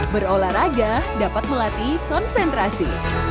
berolahraga dapat melatih konsentrasi